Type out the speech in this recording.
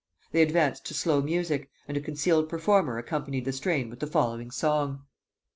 They advanced to slow music, and a concealed performer accompanied the strain with the following song.